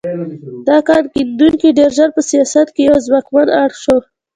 دا کان کیندونکي ډېر ژر په سیاست کې یو ځواکمن اړخ شو.